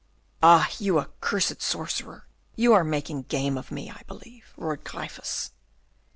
"Ah, you accursed sorcerer! you are making game of me, I believe," roared Gryphus.